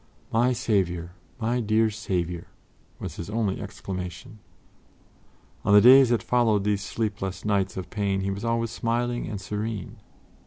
"My Saviour, my dear Saviour" was his only exclamation. On the days that followed these sleepless nights of pain, he was always smiling and serene.